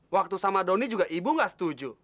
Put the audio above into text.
waktu sama doni juga ibu nggak setuju